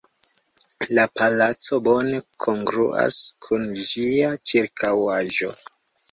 La palaco bone kongruas kun ĝia ĉirkaŭaĵo.